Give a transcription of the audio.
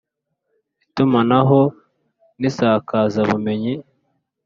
Itumanaho n Isakazabumenyi